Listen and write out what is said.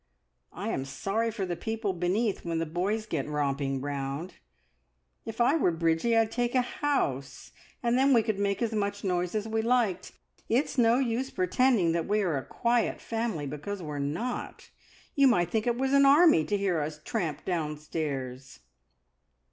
I am sorry for the people beneath, when the boys get romping round. If I were Bridgie, I'd take a house, and then we could make as much noise as we liked. It's no use pretending that we are a quiet family, because we're not. You might think it was an army, to hear us tramp downstairs!"